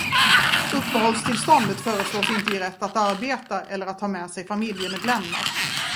Uppehållstillståndet förslås inte ge rätt att arbeta eller att ta med sig familjemedlemmar.